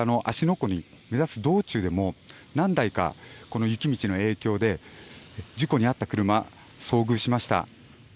湖を目指す道中でも何台か雪道の影響で事故に遭った車に遭遇しました。